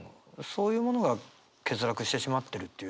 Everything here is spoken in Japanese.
そういうものが欠落してしまってるっていう。